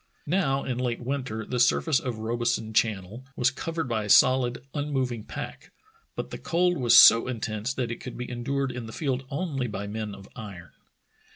Now in late winter the surface of Robeson Channel was covered by a soHd, unmoving pack, but the cold was so intense that it could be endured in the field only by men of iron.